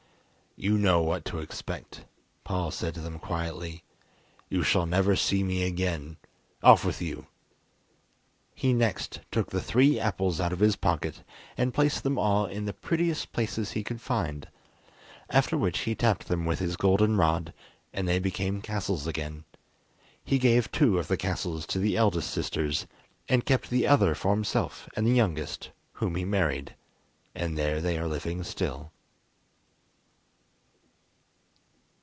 "You know what to expect," Paul said to them quietly. "You shall never see me again. Off with you!" He next took the three apples out of his pocket and placed them all in the prettiest places he could find; after which he tapped them with his golden rod, and they became castles again. He gave two of the castles to the eldest sisters, and kept the other for himself and the youngest, whom he married, and there they are living still.